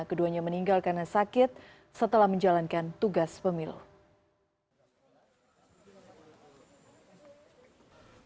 keduanya meninggal karena sakit setelah menjalankan tugas pemilu